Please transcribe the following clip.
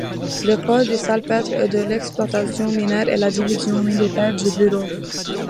Le corps du salpêtre et de l'exploitation minière est la division militaire du bureau.